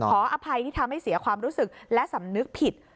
อภัยที่ทำให้เสียความรู้สึกและสำนึกผิด